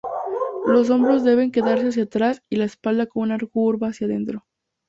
Los hombros deben quedar hacia atrás y la espalda con una curva hacia dentro.